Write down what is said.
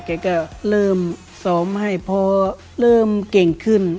แกก็เริ่มซ้อมให้พอเริ่มเก่งขึ้น